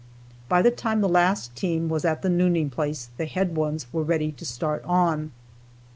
By the time the last team was at the nooning place, the head ones were ready to start on.